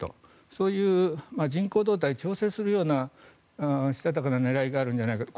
そういう人口動態を調整するようなしたたかな狙いがあるんじゃないかと。